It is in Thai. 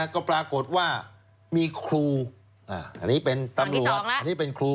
ก็ปรากฎว่ามีครูอันนี้เป็นตำรวจคือตอนที่๒แล้ว